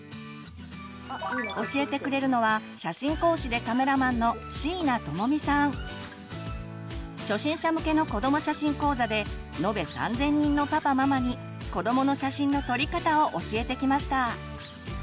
教えてくれるのは初心者向けの子ども写真講座で延べ３，０００人のパパママに子どもの写真の撮り方を教えてきました。